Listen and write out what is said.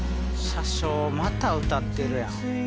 車掌また歌ってるやん。